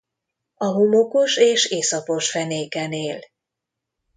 A homokos és iszapos fenéken él.